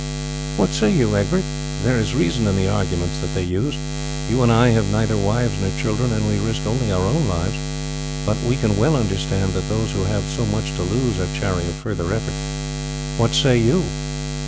"What say you, Egbert? There is reason in the arguments that they use. You and I have neither wives nor children, and we risk only our own lives; but I can well understand that those who have so much to lose are chary of further effort. What say you?"